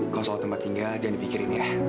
kalau soal tempat tinggal jangan dipikirin ya